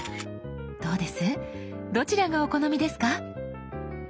どうですどちらがお好みですか？